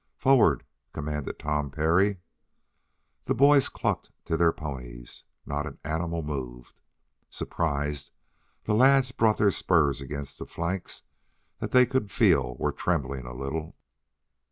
"Forward!" commanded Tom Parry. The boys clucked to their ponies. Not an animal moved. Surprised, the lads brought their spurs against the flanks that they could feel were trembling a little.